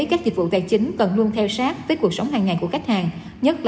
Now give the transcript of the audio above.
các dịch vụ tài chính cần luôn theo sát